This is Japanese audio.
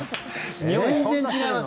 全然違います。